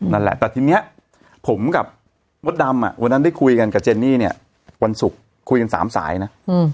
นั่นแหละแต่ทีนี้ผมกับมดดำวันนั้นได้คุยกันกับเจนนี่เนี่ยวันศุกร์คุยกัน๓สายนะ